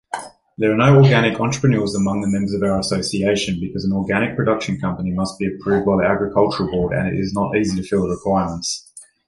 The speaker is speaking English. There are no organic entrepreneurs among the members of our association, because an organic production company must be approved by the Agricultural Board, and it is not easy to fill the requirements.